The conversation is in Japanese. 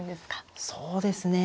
ああそうですね。